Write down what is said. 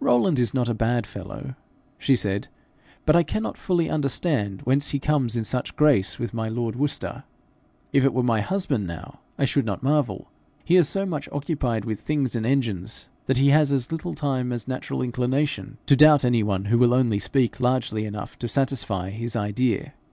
'Rowland is not a bad fellow,' she said, 'but I cannot fully understand whence he comes in such grace with my lord Worcester. If it were my husband now, I should not marvel: he is so much occupied with things and engines, that he has as little time as natural inclination to doubt any one who will only speak largely enough to satisfy his idea.